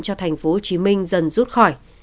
bệnh viện cho tp hcm dần rút khỏi